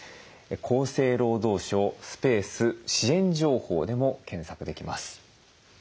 「厚生労働省」スペース「支援情報」でも検索できます。